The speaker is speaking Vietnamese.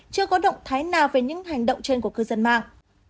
chưa có động thái nào về những hành động trên của cư dân mạng